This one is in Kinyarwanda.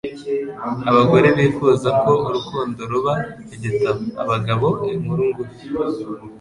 Abagore bifuza ko urukundo ruba igitabo. Abagabo, inkuru ngufi.